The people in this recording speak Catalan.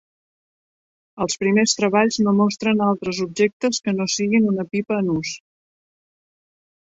Els primers treballs no mostren altres objectes que no siguin una pipa en ús.